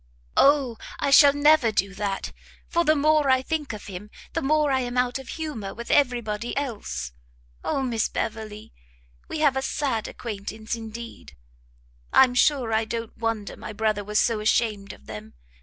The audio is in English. "O, I shall never do that! for the more I think of him, the more I am out of humour with every body else! O Miss Beverley! we have a sad acquaintance indeed! I'm sure I don't wonder my brother was so ashamed of them.